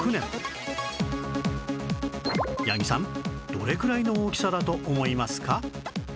どれくらいの大きさだと思いますか？